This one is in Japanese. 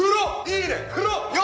いいね！